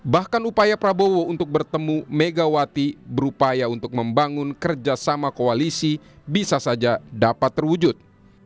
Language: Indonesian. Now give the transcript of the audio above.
bahkan upaya prabowo untuk bertemu megawati berupaya untuk membangun kerjasama koalisi bisa saja dapat terwujud